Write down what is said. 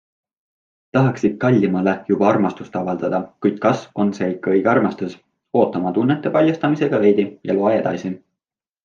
Tahaksid kallimale juba armastust avaldada, kuid kas on see ikka õige armastus? Oota oma tunnete paljastamisega veidi ja loe edasi!